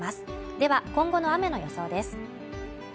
では、今後の雨の予想です。